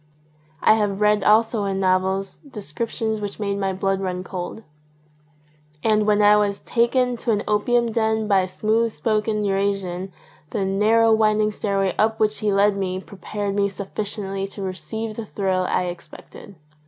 I have read also in novels descriptions which made my blood run cold. And when I was taken to an opium den by a smooth spoken Eurasian the narrow, winding stairway up which he led me prepared me suffi ciently to receive the thrill I expected.